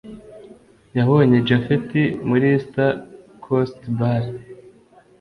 yabonye japhet muri EAST COAST BAR